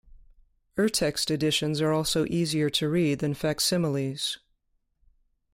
Urtext editions are also easier to read than facsimiles.